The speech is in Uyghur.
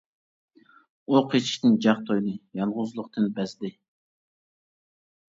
ئۇ قېچىشتىن جاق تويدى، يالغۇزلۇقتىن بەزدى.